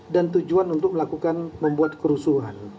dan tujuan untuk melakukan membuat kerusuhan